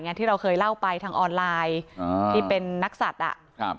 อย่างที่เราเคยเล่าไปทางออนไลน์ที่เป็นนักศัตริย์อ่ะ